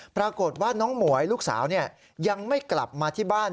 ปรากฏว่าน้องหมวยลูกสาวยังไม่กลับมาที่บ้าน